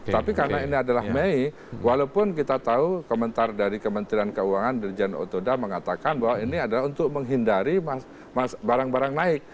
tapi karena ini adalah mei walaupun kita tahu komentar dari kementerian keuangan dirjen otoda mengatakan bahwa ini adalah untuk menghindari barang barang naik